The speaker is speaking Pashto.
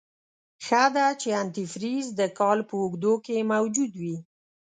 ښه ده چې انتي فریز دکال په اوږدو کې موجود وي.